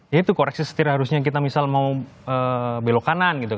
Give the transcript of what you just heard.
ya itu koreksi setir harusnya kita misal mau belok kanan gitu